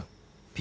Ｐ？